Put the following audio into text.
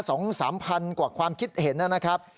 สองสามพันกว่าความคิดเห็นนะครับ